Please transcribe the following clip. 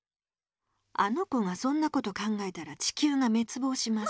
あの子がそんなこと考えたら地球がめつぼうします。